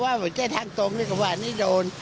ถ้าจะว่าทางตรงนี้กะว่านี่โดน